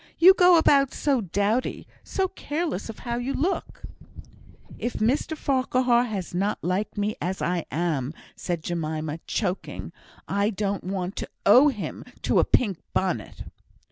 You go about so dowdy so careless of how you look." "If Mr Farquhar has not liked me as I am," said Jemima, choking, "I don't want to owe him to a pink bonnet."